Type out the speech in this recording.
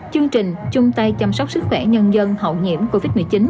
chương trình chung tay chăm sóc sức khỏe nhân dân hậu nhiễm covid một mươi chín